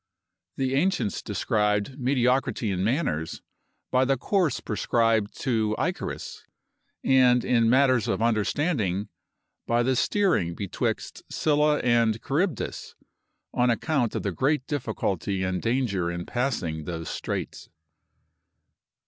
The ancients described mediocrity in manners by the course prescribed to Icarus; and in matters of the understanding by the steering betwixt Scylla and Charybdis, on account of the great difficulty and danger in passing those straits.